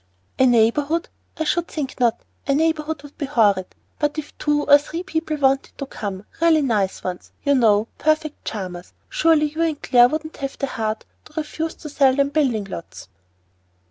"A neighborhood! I should think not! A neighborhood would be horrid. But if two or three people wanted to come, really nice ones, you know, perfect charmers, surely you and Clare wouldn't have the heart to refuse to sell them building lots?"